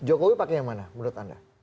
jokowi pakai yang mana menurut anda